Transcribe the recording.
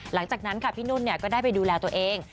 หลังจากนั้นค่ะพี่นุ่นก็ได้ไปดูแลตัวเอง